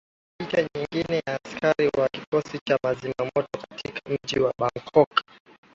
ina picha nyingine ya askari wa kikosi cha zimamoto katika mji wa bangkok